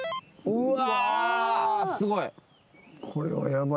うわ！